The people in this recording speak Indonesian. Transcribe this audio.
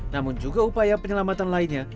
namun juga upaya penyelamatan lainnya